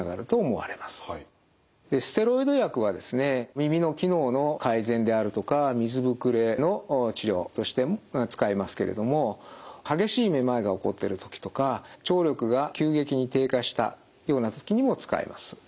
耳の機能の改善であるとか水ぶくれの治療として使いますけれども激しいめまいが起こってる時とか聴力が急激に低下したような時にも使えます。